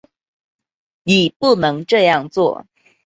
你不能这样做